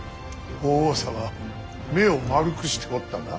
法皇様目を丸くしておったな。